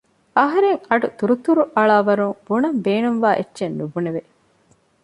އަހަރެން އަޑު ތުރުތުރު އަޅާވަރުން ބުނަން ބޭނުންވާ އެއްޗެއް ނުބުނެވެ